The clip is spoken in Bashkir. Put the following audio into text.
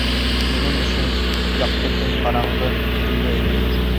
Уның өсөн яҡты көн ҡараңғы төнгә әйләнде.